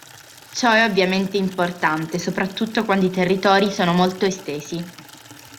Ciò è ovviamente importante soprattutto quando i territori sono molto estesi.